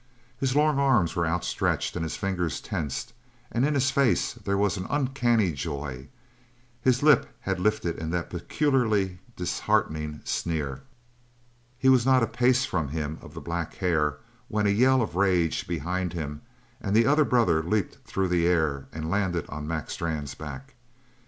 His long arms were outstretched and his fingers tensed, and in his face there was an uncanny joy; his lip had lifted in that peculiarly disheartening sneer. He was not a pace from him of the black hair when a yell of rage behind him and the other brother leaped through the air and landed on Mac Strann's back.